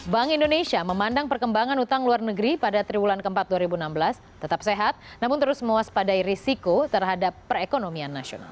bank indonesia memandang perkembangan utang luar negeri pada tribulan keempat dua ribu enam belas tetap sehat namun terus mewaspadai risiko terhadap perekonomian nasional